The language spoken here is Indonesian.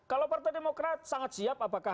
kalau partai demokrat sangat siap apakah